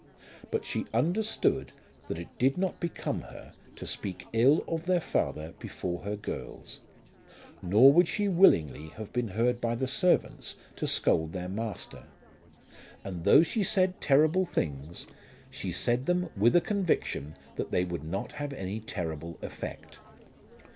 But she understood that it did not become her to speak ill of their father before her girls. Nor would she willingly have been heard by the servants to scold their master. And though she said terrible things she said them with a conviction that they would not have any terrible effect.